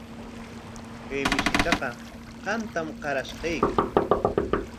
Kay mishitaqa qamtam qarashqayki.